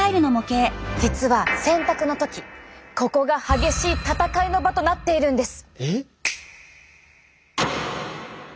実は洗濯の時ここが激しい闘いの場となっているんです。